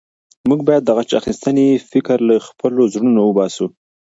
موږ باید د غچ اخیستنې فکر له خپلو زړونو وباسو.